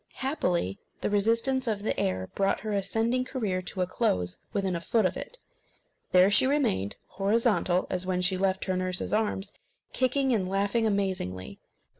Happily, the resistance of the air brought her ascending career to a close within a foot of it. There she remained, horizontal as when she left her nurse's arms, kicking and laughing amazingly.